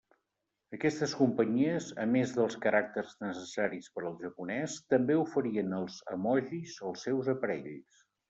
Aquestes companyies, a més dels caràcters necessaris per al japonès, també oferien els emojis als seus aparells.